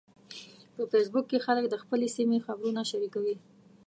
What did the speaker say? په فېسبوک کې خلک د خپلې سیمې خبرونه شریکوي